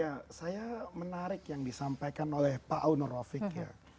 ya saya menarik yang disampaikan oleh pak aun rafiq ya